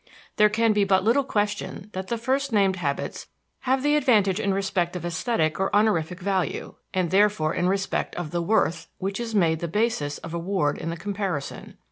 There can be but little question that the first named habits have the advantage in respect of aesthetic or honorific value, and therefore in respect of the "worth" which is made the basis of award in the comparison.